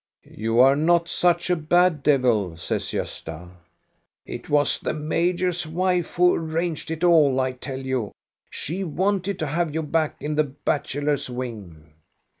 You are not such a bad devil," says Gosta. It was the major's wife who arranged it all, I tell you. She wanted to have you back in the bachelors' wing."